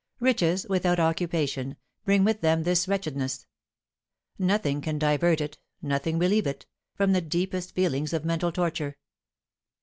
Riches, without occupation, bring with them this wretchedness. Nothing can divert it, nothing relieve it, from the deepest feelings of mental torture.